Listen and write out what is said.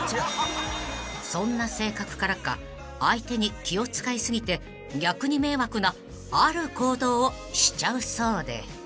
［そんな性格からか相手に気を使い過ぎて逆に迷惑なある行動をしちゃうそうで］